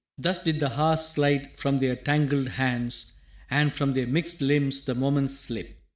Thus did the hours slide from their tangled hands And from their mixed limbs the moments slip.